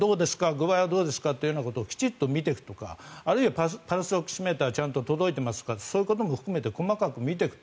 具合はどうですか？ということをきちんと診ていくとかあるいはパルスオキシメーターがちゃんと届いていますかとかそういうことも含めて細かく見ていくと。